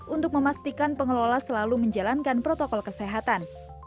untuk memastikan pengelola selalu menjalankan protokol kesehatan